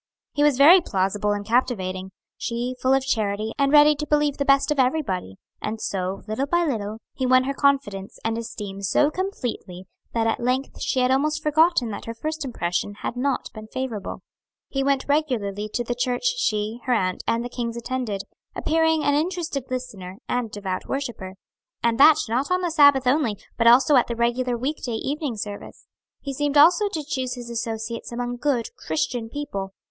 He was very plausible and captivating, she full of charity and ready to believe the best of everybody, and so, little by little, he won her confidence and esteem so completely that at length she had almost forgotten that her first impression had not been favorable. He went regularly to the church she, her aunt, and the Kings attended, appearing an interested listener, and devout worshipper; and that not on the Sabbath only, but also at the regular weekday evening service; he seemed also to choose his associates among good, Christian people.